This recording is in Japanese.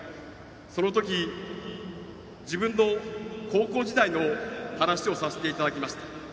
その時、自分の高校時代の話をさせていただきました。